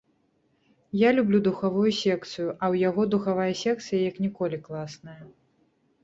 Я люблю духавую секцыю, а ў яго духавая секцыя як ніколі класная.